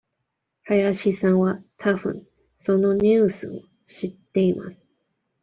林さんはたぶんそのニュースを知っています。